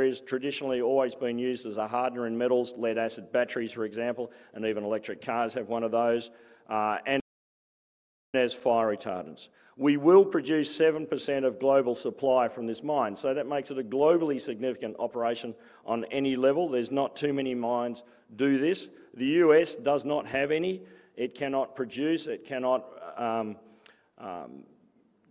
It has traditionally always been used as a hardener in metals. Lead-acid batteries, for example, and even electric cars have one of those, and as fire retardants. We will produce 7% of global supply from this mine. That makes it a globally significant operation on any level. There are not too many mines that do this. The U.S. does not have any. It cannot produce. It cannot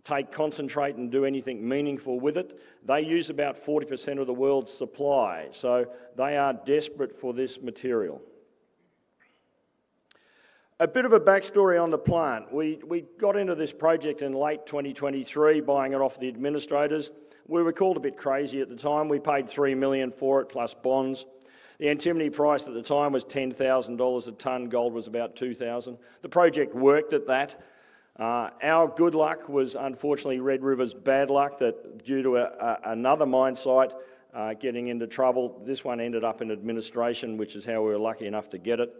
take concentrate and do anything meaningful with it. They use about 40% of the world's supply. They are desperate for this material. A bit of a backstory on the plant. We got into this project in late 2023, buying it off the administrators. We were called a bit crazy at the time. We paid 3 million for it, plus bonds. The antimony price at the time was 10,000 dollars a ton. Gold was about 2,000. The project worked at that. Our good luck was unfortunately Red River's bad luck that due to another mine site getting into trouble, this one ended up in administration, which is how we were lucky enough to get it.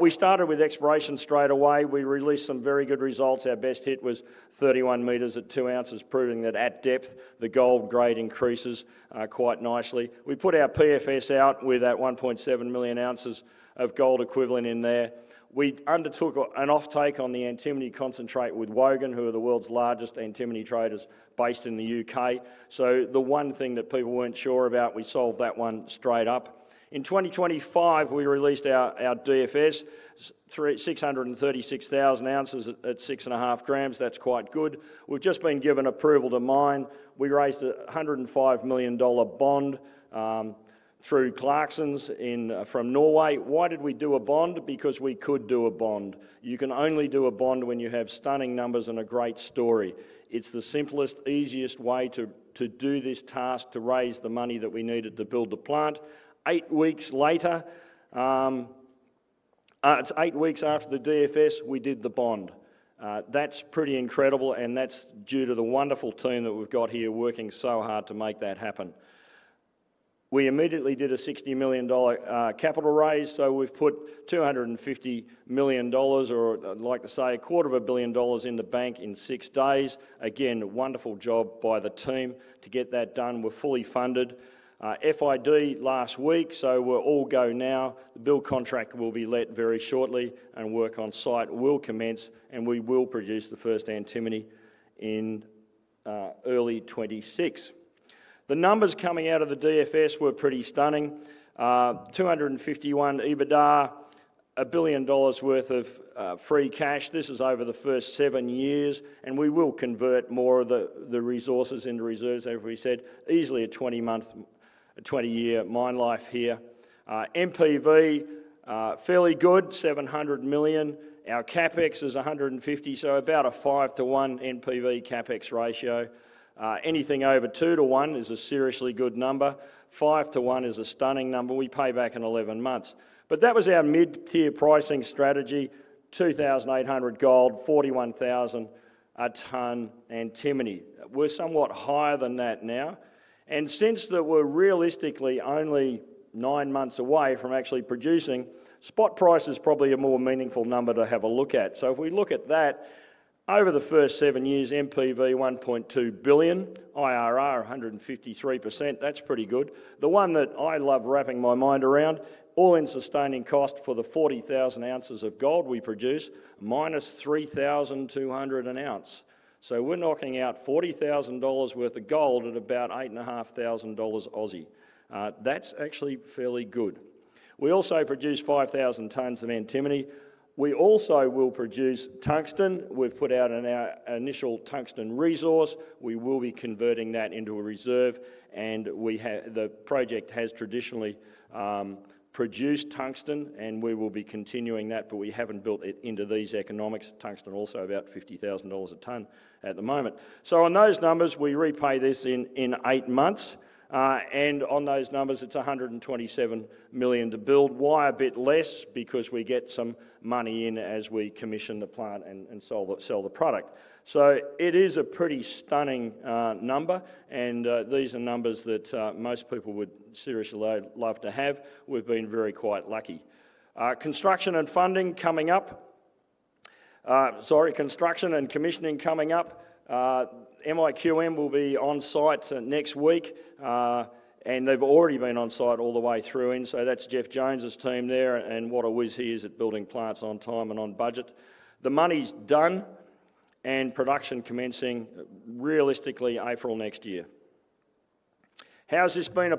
We started with exploration straight away. We released some very good results. Our best hit was 31 m at two ounces, proving that at depth the gold grade increases quite nicely. We put our PFS out with that 1.7 million ounces of gold equivalent in there. We undertook an offtake on the antimony concentrate with Wogen, who are the world's largest antimony traders based in the UK. The one thing that people were not sure about, we sold that one straight up. In 2025, we released our DFS, 636,000 ounces at six and a half grams. That's quite good. We've just been given approval to mine. We raised a 105 million dollar bond through Clarksons from Norway. Why did we do a bond? Because we could do a bond. You can only do a bond when you have stunning numbers and a great story. It's the simplest, easiest way to do this task, to raise the money that we needed to build the plant. Eight weeks later, it's eight weeks after the DFS, we did the bond. That's pretty incredible, and that's due to the wonderful team that we've got here working so hard to make that happen. We immediately did a 60 million dollar capital raise. We've put 250 million dollars, or I'd like to say a quarter of a billion dollars, in the bank in six days. Again, a wonderful job by the team to get that done. We're fully funded. FID last week. We're all go now. The build contract will be let very shortly and work on site will commence, and we will produce the first antimony in early 2026. The numbers coming out of the DFS were pretty stunning. 251 million EBITDA, a billion dollars worth of free cash. This is over the first seven years. We will convert more of the resources into reserves, as we said, easily a 20-year mine life here. NPV, fairly good, 700 million. Our CapEx is 150 million, so about a five to one NPV CapEx ratio. Anything over two to one is a seriously good number. Five to one is a stunning number. We pay back in 11 months. That was our mid-tier pricing strategy: 2,800 gold, 41,000 a ton antimony. We're somewhat higher than that now. Since we're realistically only nine months away from actually producing, spot price is probably a more meaningful number to have a look at. If we look at that, over the first seven years, NPV 1.2 billion, IRR 153%. That's pretty good. The one that I love wrapping my mind around, all-in sustaining cost for the 40,000 ounces of gold we produce, -3,200 an ounce. We're knocking out 40,000 dollars worth of gold at about 8,500 Aussie dollars. That's actually fairly good. We also produce 5,000 tons of antimony. We also will produce tungsten. We've put out in our initial tungsten resource. We will be converting that into a reserve. The project has traditionally produced tungsten, and we will be continuing that, but we haven't built it into these economics. Tungsten also about 50,000 dollars a ton at the moment. On those numbers, we repay this in eight months. On those numbers, it's 127 million to build. Why a bit less? We get some money in as we commission the plant and sell the product. It is a pretty stunning number. These are numbers that most people would seriously love to have. We've been very quite lucky. Construction and commissioning coming up. MIQM will be on site next week. They've already been on site all the way through. That's Jeff Jones's team there. What a wiz he is at building plants on time and on budget. The money's done and production commencing realistically April next year. How's this been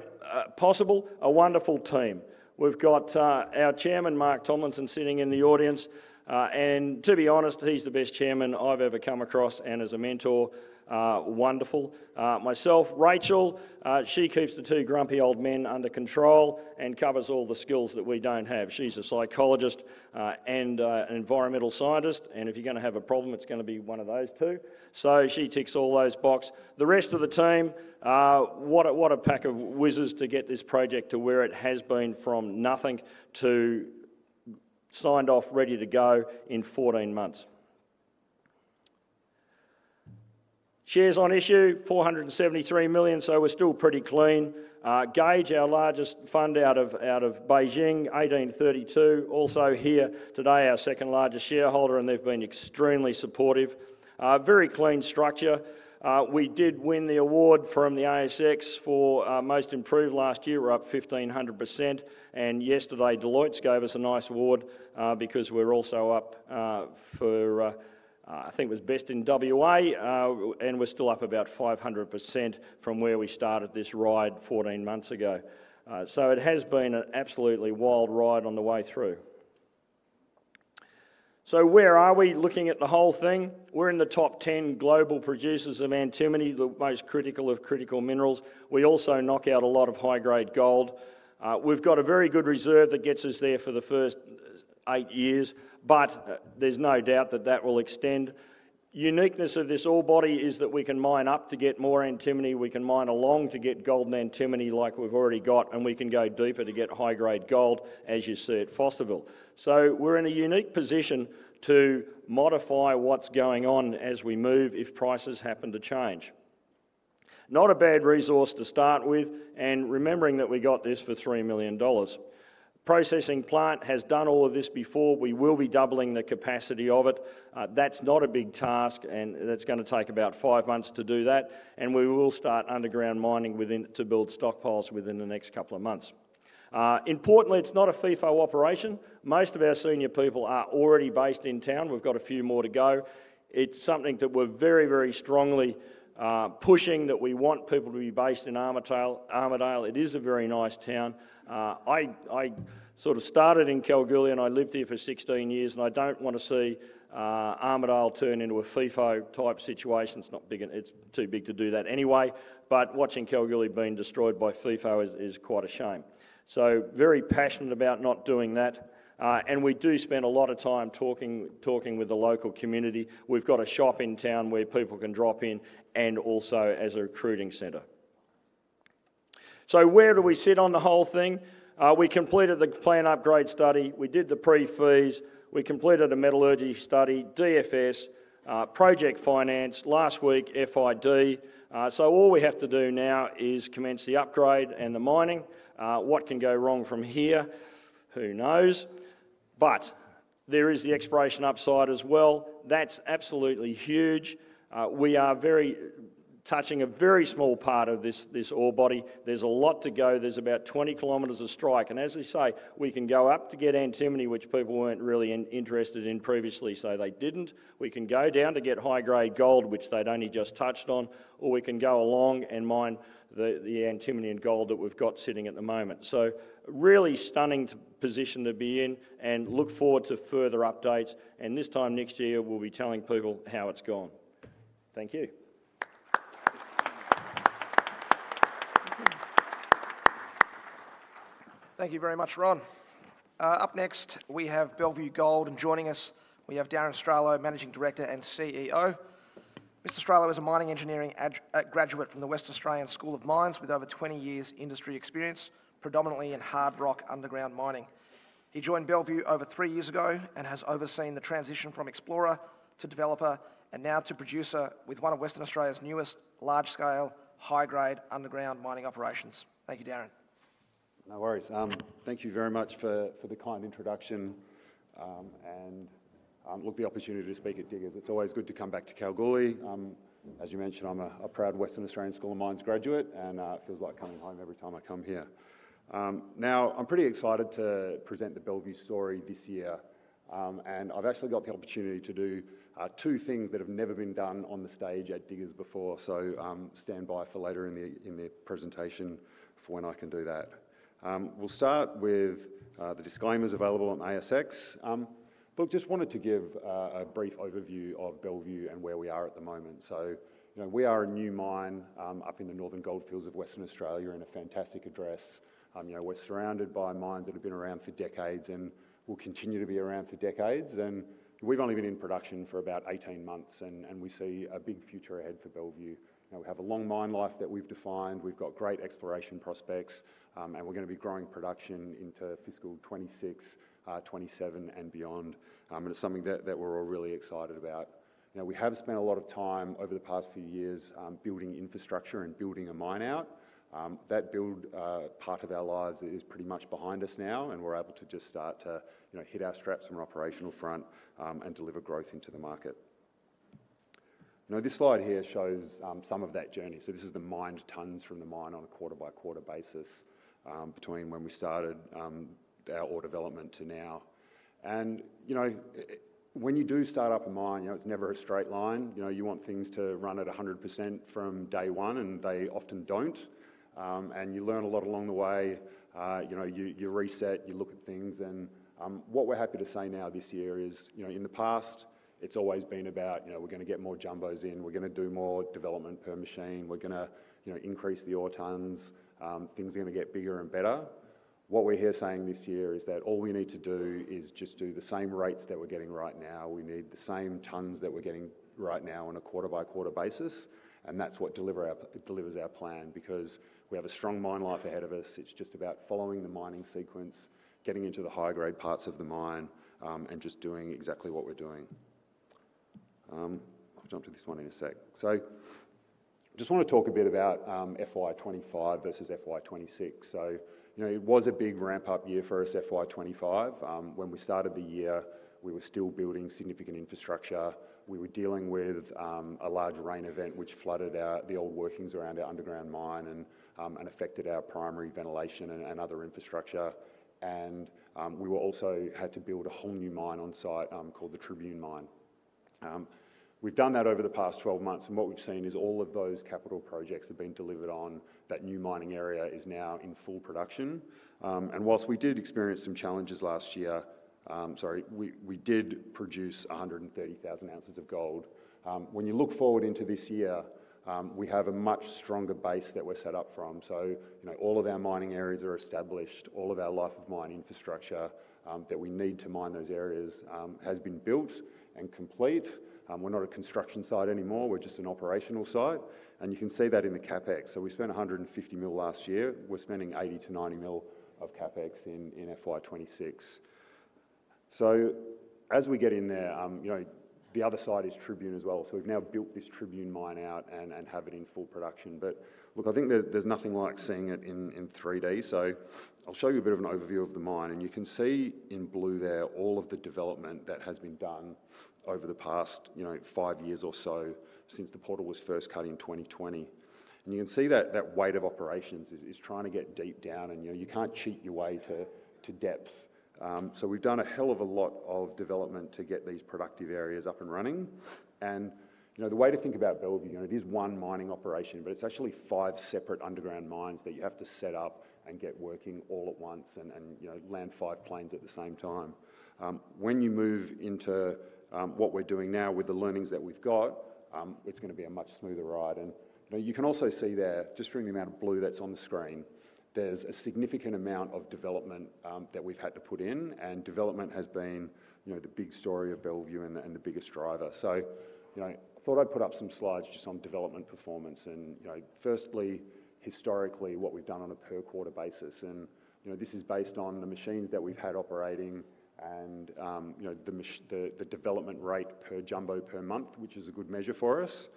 possible? A wonderful team. We've got our Chairman, Mark Tomlinson, sitting in the audience. To be honest, he's the best Chairman I've ever come across. As a mentor, wonderful. Myself, Rachel, she keeps the two grumpy old men under control and covers all the skills that we don't have. She's a psychologist and an environmental scientist. If you're going to have a problem, it's going to be one of those two. She ticks all those boxes. The rest of the team, what a pack of wizards to get this project to where it has been from nothing to signed off, ready to go in 14 months. Shares on issue, 473 million. We're still pretty clean. Gage, our largest fund out of Beijing, 1832. Also here today, our second largest shareholder, and they've been extremely supportive. Very clean structure. We did win the award from the ASX for most improved last year. We're up 1,500%. Yesterday, Deloitte's gave us a nice award because we're also up for, I think it was best in WA. We're still up about 500% from where we started this ride 14 months ago. It has been an absolutely wild ride on the way through. Where are we looking at the whole thing? We're in the top 10 global producers of antimony, the most critical of critical minerals. We also knock out a lot of high-grade gold. We've got a very good reserve that gets us there for the first eight years. There's no doubt that that will extend. Uniqueness of this all-body is that we can mine up to get more antimony. We can mine along to get gold and antimony like we've already got. We can go deeper to get high-grade gold, as you see at Fosterville. We're in a unique position to modify what's going on as we move if prices happen to change. Not a bad resource to start with. Remembering that we got this for 3 million dollars. Processing plant has done all of this before. We will be doubling the capacity of it. That's not a big task. That's going to take about five months to do that. We will start underground mining to build stockpiles within the next couple of months. Importantly, it's not a free-for-all operation. Most of our senior people are already based in town. We've got a few more to go. It's something that we're very, very strongly pushing that we want people to be based in Armidale. It is a very nice town. I sort of started in Kalgoorlie and I lived here for 16 years. I don't want to see Armidale turn into a free-for-all type situation. It's not big. It's too big to do that anyway. Watching Kalgoorlie being destroyed by free-for-all is quite a shame. I'm very passionate about not doing that. We do spend a lot of time talking with the local community. We've got a shop in town where people can drop in and also as a recruiting center. Where do we sit on the whole thing? We completed the plant upgrade study. We did the pre-feas. We completed a metallurgy study, DFS, project finance last week, FID. All we have to do now is commence the upgrade and the mining. What can go wrong from here? Who knows? There is the exploration upside as well. That's absolutely huge. We are touching a very small part of this orebody. There's a lot to go. There's about 20 km of strike. As we say, we can go up to get antimony, which people weren't really interested in previously, so they didn't. We can go down to get high-grade gold, which they'd only just touched on. We can go along and mine the antimony and gold that we've got sitting at the moment. Really stunning position to be in and look forward to further updates. This time next year, we'll be telling people how it's gone. Thank you. Thank you very much, Ron. Up next, we have Bellevue Gold. Joining us, we have Darren Stralow, Managing Director and CEO. Mr. Stralow is a mining engineering graduate from the West Australian School of Mines with over 20 years' industry experience, predominantly in hard rock underground mining. He joined Bellevue over three years ago and has overseen the transition from explorer to developer and now to producer with one of Western Australia's newest large-scale, high-grade underground mining operations. Thank you, Darren. No worries. Thank you very much for the kind introduction. Look, the opportunity to speak at Diggers. It's always good to come back to Kalgoorlie. As you mentioned, I'm a proud Western Australian School of Mines graduate, and it feels like coming home every time I come here. I'm pretty excited to present the Bellevue story this year. I've actually got the opportunity to do two things that have never been done on the stage at Diggers before. Stand by for later in the presentation for when I can do that. We'll start with the disclaimers available on ASX. I just wanted to give a brief overview of Bellevue and where we are at the moment. We are a new mine up in the Northern Goldfields of Western Australia in a fantastic address. We're surrounded by mines that have been around for decades and will continue to be around for decades. We've only been in production for about 18 months, and we see a big future ahead for Bellevue. We have a long mine life that we've defined. We've got great exploration prospects, and we're going to be growing production into fiscal 2026, 2027, and beyond. It's something that we're all really excited about. We have spent a lot of time over the past few years building infrastructure and building a mine out. That build part of our lives is pretty much behind us now, and we're able to just start to hit our straps from an operational front and deliver growth into the market. This slide here shows some of that journey. This is the mined tons from the mine on a quarter-by-quarter basis between when we started our development to now. When you do start up a mine, it's never a straight line. You want things to run at 100% from day one, and they often don't. You learn a lot along the way. You reset, you look at things. What we're happy to say now this year is, in the past, it's always been about, we're going to get more jumbos in, we're going to do more development per machine, we're going to increase the ore tons, things are going to get bigger and better. What we're here saying this year is that all we need to do is just do the same rates that we're getting right now. We need the same tons that we're getting right now on a quarter-by-quarter basis, and that's what delivers our plan because we have a strong mine life ahead of us. It's just about following the mining sequence, getting into the high-grade parts of the mine, and just doing exactly what we're doing. I'll jump to this one in a sec. I just want to talk a bit about FY 2025 versus FY 2026. It was a big ramp-up year for us in FY 2025. When we started the year, we were still building significant infrastructure. We were dealing with a large rain event, which flooded the old workings around our underground mine and affected our primary ventilation and other infrastructure. We also had to build a whole new mine on site called the Tribune Mine. We've done that over the past 12 months. What we've seen is all of those capital projects have been delivered on. That new mining area is now in full production. Whilst we did experience some challenges last year, we did produce 130,000 ounces of gold. When you look forward into this year, we have a much stronger base that we're set up from. All of our mining areas are established. All of our life of mine infrastructure that we need to mine those areas has been built and complete. We're not a construction site anymore. We're just an operational site. You can see that in the CapEx. We spent 150 million last year. We're spending 80 million-90 million of CapEx in FY2026. As we get in there, the other side is Tribune as well. We've now built this Tribune Mine out and have it in full production. I think there's nothing like seeing it in 3D. I'll show you a bit of an overview of the mine. You can see in blue there all of the development that has been done over the past five years or so since the portal was first cut in 2020. You can see that that weight of operations is trying to get deep down. You can't cheat your way to depth. We've done a hell of a lot of development to get these productive areas up and running. The way to think about Bellevue, it is one mining operation, but it's actually five separate underground mines that you have to set up and get working all at once and land five planes at the same time. When you move into what we're doing now with the learnings that we've got, it's going to be a much smoother ride. You can also see there, just from the amount of blue that's on the screen, there's a significant amount of development that we've had to put in. Development has been the big story of Bellevue and the biggest driver. I thought I'd put up some slides just on development performance. Firstly, historically, what we've done on a per quarter basis. This is based on the machines that we've had operating and the development rate per jumbo per month, which is a good measure for us.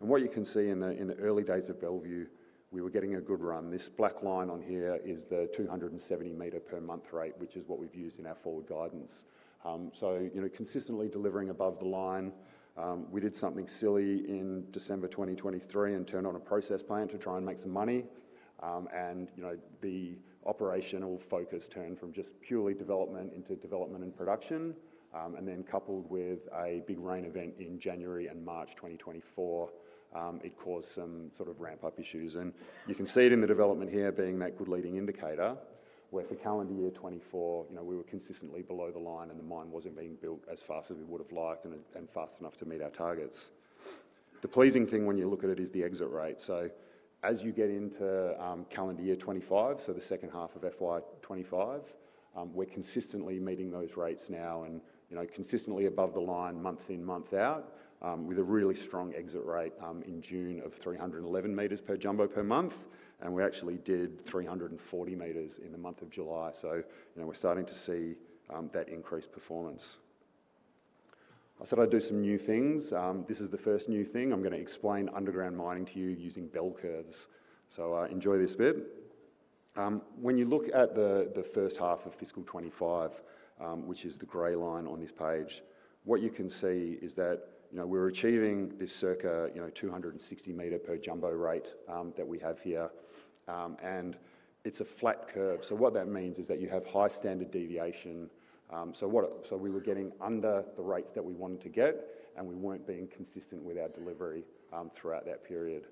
What you can see in the early days of Bellevue, we were getting a good run. This black line on here is the 270 m per month rate, which is what we've used in our forward guidance. Consistently delivering above the line. We did something silly in December 2023 and turned on a processing plant to try and make some money. The operational focus turned from just purely development into development and production. Coupled with a big rain event in January and March 2024, it caused some sort of ramp-up issues. You can see it in the development here being that good leading indicator where for calendar year 2024, we were consistently below the line and the mine wasn't being built as fast as we would have liked and fast enough to meet our targets. The pleasing thing when you look at it is the exit rate. As you get into calendar year 2025, the second half of FY 2025, we're consistently meeting those rates now and consistently above the line month in, month out with a really strong exit rate in June of 311 m per jumbo per month. We actually did 340 m in the month of July. We're starting to see that increased performance. I said I'd do some new things. This is the first new thing. I'm going to explain underground mining to you using bell curves. Enjoy this bit. When you look at the first half of fiscal 2025, which is the gray line on this page, what you can see is that we're achieving this circa 260 m per jumbo rate that we have here. It's a flat curve. What that means is that you have high standard deviation. We were getting under the rates that we wanted to get, and we weren't being consistent with our delivery throughout that period.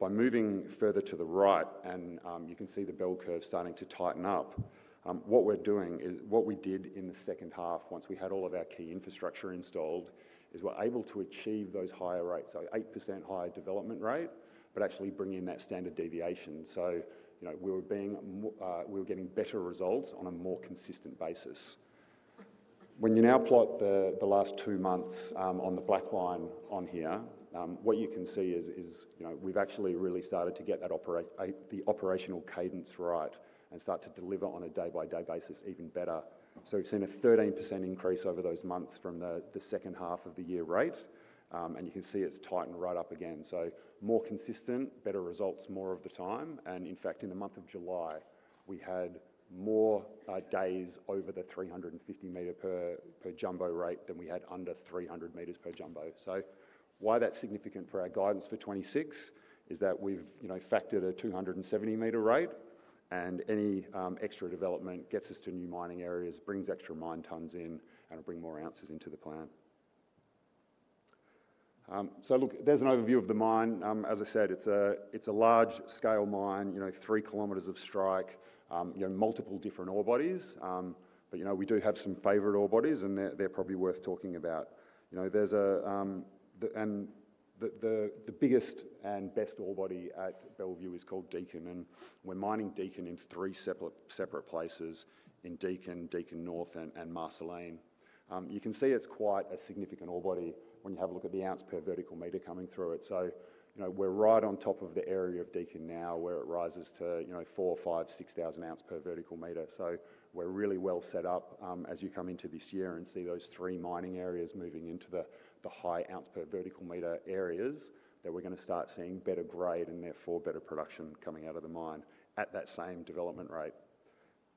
By moving further to the right, and you can see the bell curve starting to tighten up, what we're doing is what we did in the second half once we had all of our key infrastructure installed is we're able to achieve those higher rates. 8% higher development rate, but actually bringing in that standard deviation. We were getting better results on a more consistent basis. When you now plot the last two months on the black line on here, what you can see is we've actually really started to get the operational cadence right and start to deliver on a day-by-day basis even better. We've seen a 13% increase over those months from the second half of the year rate. You can see it's tightened right up again. More consistent, better results more of the time. In fact, in the month of July, we had more days over the 350 m per jumbo rate than we had under 300 m per jumbo. Why that's significant for our guidance for 2026 is that we've factored a 270 m rate. Any extra development gets us to new mining areas, brings extra mine tons in, and it'll bring more ounces into the plan. There's an overview of the mine. As I said, it's a large-scale mine, three kilometers of strike, multiple different ore bodies. We do have some favorite ore bodies, and they're probably worth talking about. The biggest and best ore body at Bellevue is called Deakin. We're mining Deakin in three separate places: Deakin, Deakin North, and Marceline. You can see it's quite a significant ore body when you have a look at the ounce per vertical meter coming through it. We're right on top of the area of Deakin now where it rises to four, five, six thousand ounce per vertical meter. We're really well set up as you come into this year and see those three mining areas moving into the high ounce per vertical meter areas that we're going to start seeing better grade and therefore better production coming out of the mine at that same development rate.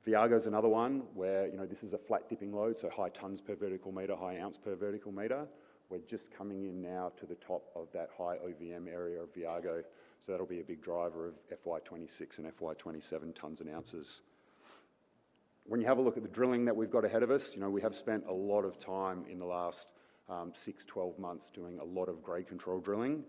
Viago is another one where this is a flat dipping lode. High tons per vertical meter, high ounce per vertical meter. We're just coming in now to the top of that high OVM area of Viago. That'll be a big driver of FY 2026 and FY 2027 tons and ounces. When you have a look at the drilling that we've got ahead of us, we have spent a lot of time in the last six, twelve months doing a lot of grade control drilling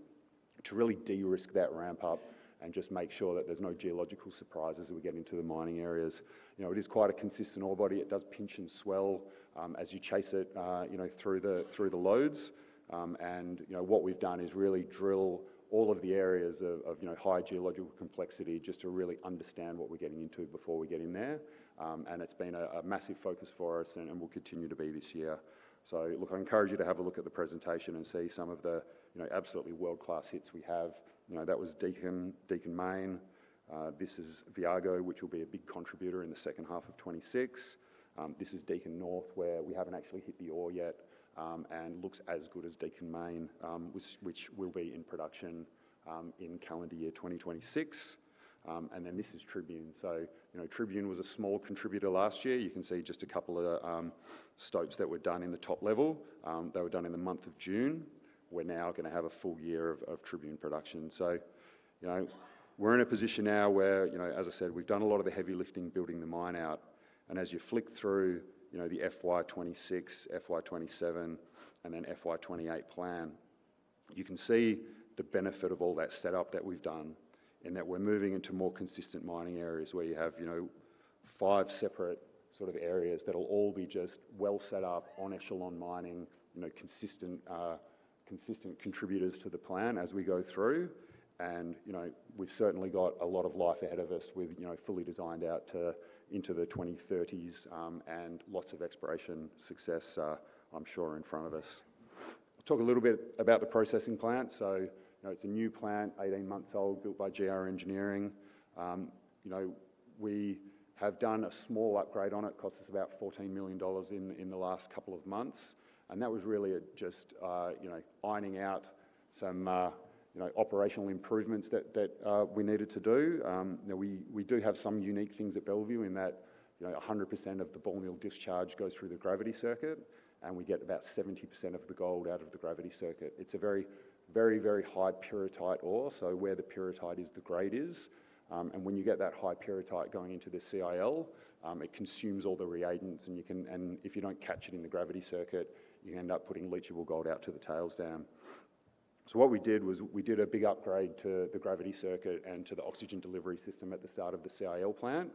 to really de-risk that ramp up and just make sure that there's no geological surprises as we get into the mining areas. It is quite a consistent ore body. It does pinch and swell as you chase it through the lodes. What we've done is really drill all of the areas of high geological complexity just to really understand what we're getting into before we get in there. It's been a massive focus for us and will continue to be this year. I encourage you to have a look at the presentation and see some of the absolutely world-class hits we have. That was Deakin, Deakin Main. This is Viago, which will be a big contributor in the second half of 2026. This is Deakin North where we haven't actually hit the ore yet and looks as good as Deakin Main, which will be in production in calendar year 2026. This is Tribune. Tribune was a small contributor last year. You can see just a couple of stopes that were done in the top level that were done in the month of June. We're now going to have a full year of Tribune production. We're in a position now where, as I said, we've done a lot of the heavy lifting building the mine out. As you flick through the FY 2026, FY 2027, and then FY 2028 plan, you can see the benefit of all that setup that we've done and that we're moving into more consistent mining areas where you have five separate sort of areas that'll all be just well set up on echelon mining, consistent contributors to the plan as we go through. We've certainly got a lot of life ahead of us with fully designed out to into the 2030s and lots of exploration success, I'm sure, in front of us. I'll talk a little bit about the processing plant. It's a new plant, 18 months old, built by GR Engineering. We have done a small upgrade on it. It cost us about 14 million dollars in the last couple of months. That was really just ironing out some operational improvements that we needed to do. We do have some unique things at Bellevue in that 100% of the ball mill discharge goes through the gravity circuit. We get about 70% of the gold out of the gravity circuit. It's a very, very, very high pyrrhotite ore, so where the pyrrhotite is, the grade is. When you get that high pyrrhotite going into the CIL, it consumes all the reagents. If you don't catch it in the gravity circuit, you can end up putting leachable gold out to the tails down. What we did was we did a big upgrade to the gravity circuit and to the oxygen delivery system at the start of the CIL plant.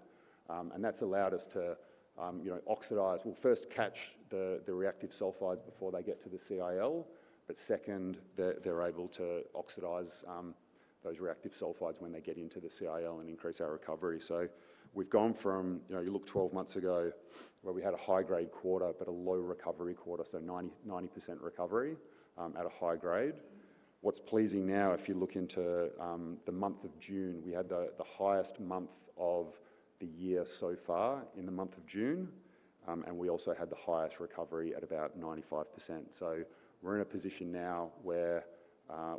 That's allowed us to oxidize. We'll first catch the reactive sulfides before they get to the CIL. Second, they're able to oxidize those reactive sulfides when they get into the CIL and increase our recovery. We've gone from, you know, you look 12 months ago where we had a high-grade quarter but a low recovery quarter, so 90% recovery at a high grade. What's pleasing now, if you look into the month of June, we had the highest month of the year so far in the month of June. We also had the highest recovery at about 95%. We're in a position now where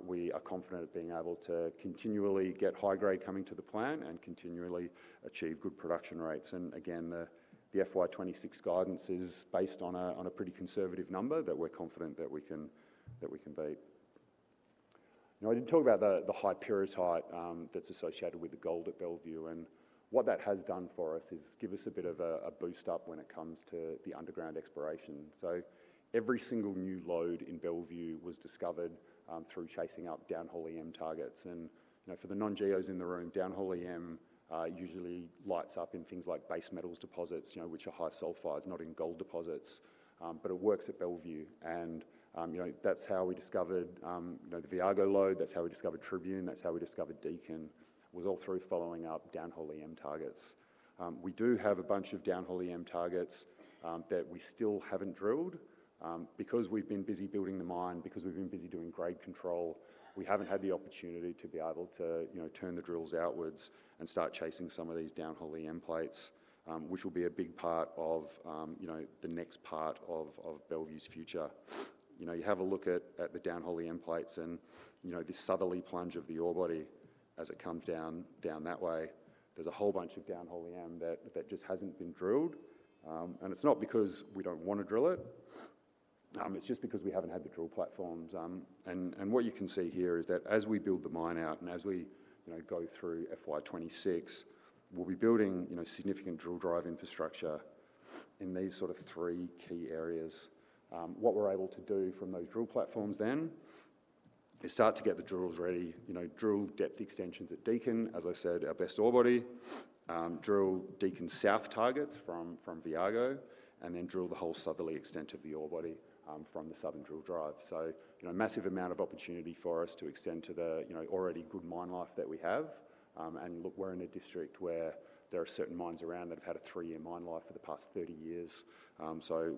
we are confident at being able to continually get high grade coming to the plant and continually achieve good production rates. The FY 2026 guidance is based on a pretty conservative number that we're confident that we can beat. I didn't talk about the high pyrrhotite that's associated with the gold at Bellevue. What that has done for us is give us a bit of a boost up when it comes to the underground exploration. Every single new lode in Bellevue was discovered through chasing up downhole EM targets. For the non-GEOs in the room, downhole EM usually lights up in things like base metals deposits, which are high sulfides, not in gold deposits. It works at Bellevue. That's how we discovered the Viago lode. That's how we discovered Tribune. That's how we discovered Deakin. It was all through following up downhole EM targets. We do have a bunch of downhole EM targets that we still haven't drilled because we've been busy building the mine, because we've been busy doing grade control. We haven't had the opportunity to be able to turn the drills outwards and start chasing some of these downhole EM plates, which will be a big part of the next part of Bellevue's future. You have a look at the downhole EM plates and this southerly plunge of the ore body as it comes down that way. There's a whole bunch of downhole EM that just hasn't been drilled. It's not because we don't want to drill it. It's just because we haven't had the drill platforms. What you can see here is that as we build the mine out and as we go through FY 2026, we'll be building significant drill drive infrastructure in these sort of three key areas. What we're able to do from those drill platforms is start to get the drills ready, drill depth extensions at Deakin, as I said, our best ore body, drill Deakin South targets from Viago, and then drill the whole southerly extent of the ore body from the southern drill drive. A massive amount of opportunity for us to extend to the already good mine life that we have. We're in a district where there are certain mines around that have had a three-year mine life for the past 30 years.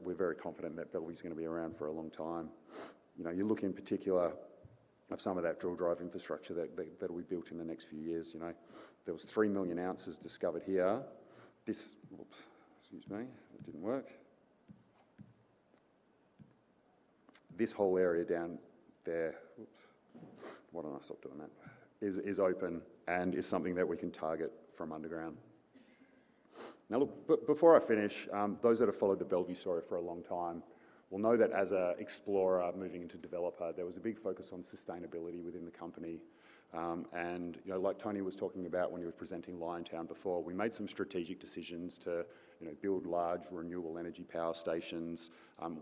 We're very confident that Bellevue's going to be around for a long time. You look in particular at some of that drill drive infrastructure that will be built in the next few years. There were 3 million ounces discovered here. This, excuse me, it didn't work. This whole area down there, why don't I stop doing that, is open and is something that we can target from underground. Before I finish, those that have followed the Bellevue story for a long time will know that as an explorer moving into developer, there was a big focus on sustainability within the company. Like Tony was talking about when he was presenting Liontown before, we made some strategic decisions to build large renewable energy power stations.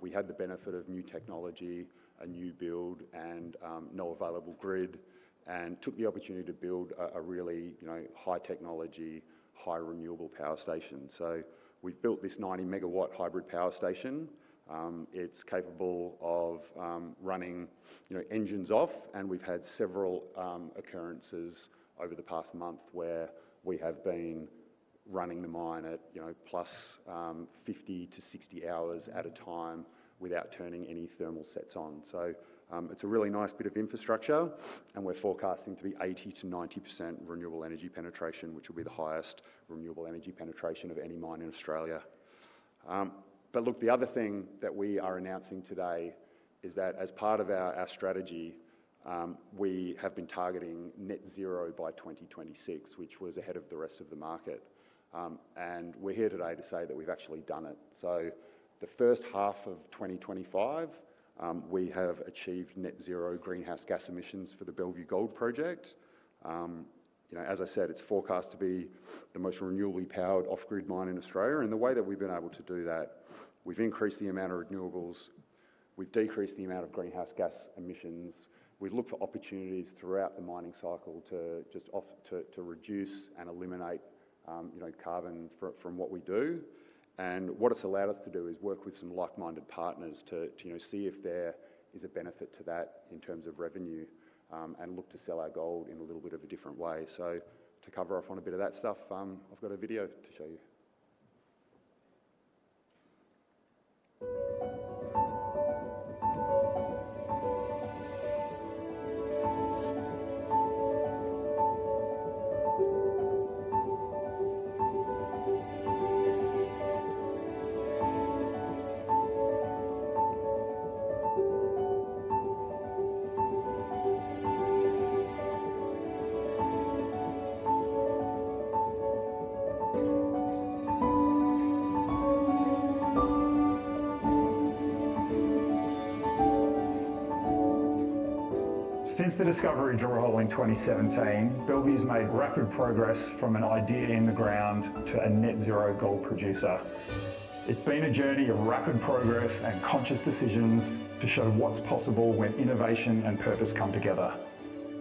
We had the benefit of new technology, a new build, and no available grid, and took the opportunity to build a really high technology, high renewable power station. We've built this 90 MW hybrid power station. It's capable of running engines off. We've had several occurrences over the past month where we have been running the mine at +50-60 hours at a time without turning any thermal sets on. It's a really nice bit of infrastructure. We're forecasting to be 80%-90% renewable energy penetration, which will be the highest renewable energy penetration of any mine in Australia. The other thing that we are announcing today is that as part of our strategy, we have been targeting net zero by 2026, which was ahead of the rest of the market. We're here today to say that we've actually done it. The first half of 2025, we have achieved net zero greenhouse gas emissions for the Bellevue Gold project. As I said, it's forecast to be the most renewably powered off-grid mine in Australia. The way that we've been able to do that, we've increased the amount of renewables. We've decreased the amount of greenhouse gas emissions. We've looked for opportunities throughout the mining cycle to just reduce and eliminate carbon from what we do. What it's allowed us to do is work with some like-minded partners to see if there is a benefit to that in terms of revenue and look to sell our gold in a little bit of a different way. To cover off on a bit of that stuff, I've got a video to show you. Since the discovery drill hole in 2017, Bellevue's made record progress from an idea in the ground to a net zero gold producer. It's been a journey of rapid progress and conscious decisions to show what's possible when innovation and purpose come together.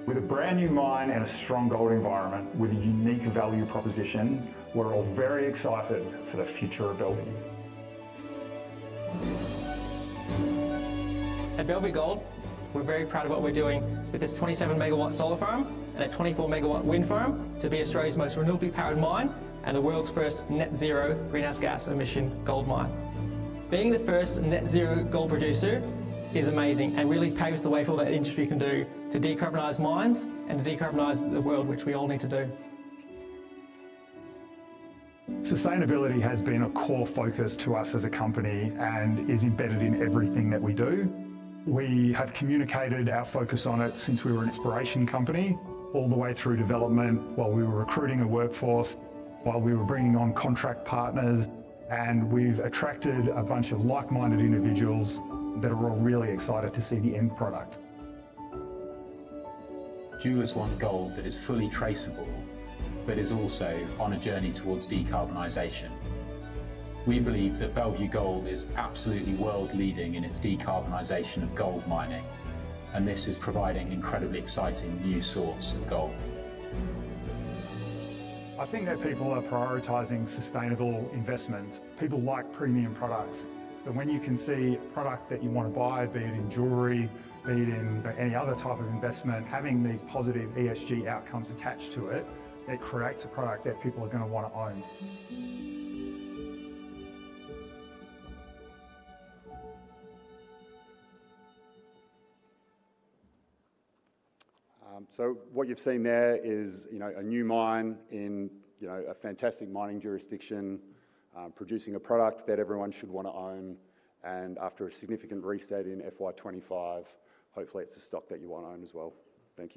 With a brand new mine and a strong gold environment with a unique value proposition, we're all very excited for the future of Bellevue. At Bellevue Gold, we're very proud of what we're doing with this 27 MW solar farm and a 24 MW wind farm to be Australia's most renewably powered mine and the world's first net zero greenhouse gas emission gold mine. Being the first net zero gold producer is amazing and really paves the way for what industry can do to decarbonize mines and to decarbonize the world, which we all need to do. Sustainability has been a core focus to us as a company and is embedded in everything that we do. We have communicated our focus on it since we were an exploration company all the way through development while we were recruiting a workforce, while we were bringing on contract partners, and we've attracted a bunch of like-minded individuals that are all really excited to see the end product. Judas wanted gold that is fully traceable but is also on a journey towards decarbonization. We believe that Bellevue Gold is absolutely world-leading in its decarbonization of gold mining, and this is providing an incredibly exciting new source of gold. I think that people are prioritizing sustainable investments. People like premium products. When you can see a product that you want to buy, be it in jewelry or in any other type of investment, having these positive ESG outcomes attached to it creates a product that people are going to want to own. What you've seen there is a new mine in a fantastic mining jurisdiction, producing a product that everyone should want to own. After a significant reset in FY 2025, hopefully it's a stock that you want to own as well. Thank you.